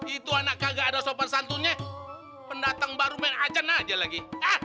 itu anak kagak ada sopan santunnya pendatang baru main acan aja lagi